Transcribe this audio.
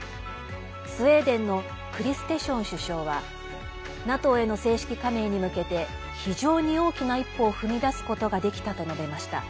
スウェーデンのクリステション首相はＮＡＴＯへの正式加盟に向けて非常に大きな一歩を踏み出すことができたと述べました。